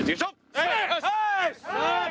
はい！